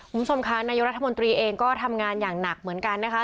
คุณผู้ชมค่ะนายกรัฐมนตรีเองก็ทำงานอย่างหนักเหมือนกันนะคะ